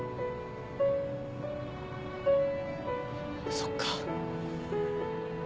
そっか。